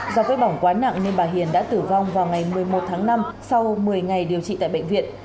do vết bỏng quá nặng nên bà hiền đã tử vong vào ngày một mươi một tháng năm sau một mươi ngày điều trị tại bệnh viện